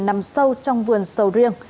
nằm sâu trong vườn sầu riêng